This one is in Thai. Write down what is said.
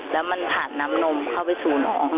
แล้วมันผ่านน้ำนมเข้าไปสู่น้อง